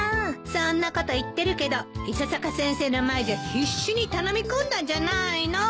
そんなこと言ってるけど伊佐坂先生の前じゃ必死に頼み込んだんじゃないの？